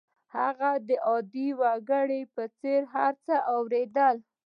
هغه د عادي وګړو په څېر هر څه واورېدل